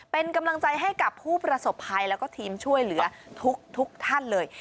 เป็นกำลังใจให้กับผู้ประสบภัยแล้วก็ทีมช่วยเหลือทุกท่านเลย